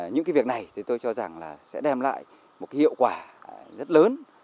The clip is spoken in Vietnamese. những việc này tôi cho rằng sẽ đem lại một hiệu quả rất lớn